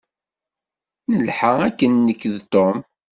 Nelḥa akken nekk d Tom.